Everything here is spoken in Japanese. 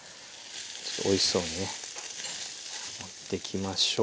おいしそうにね盛っていきましょう。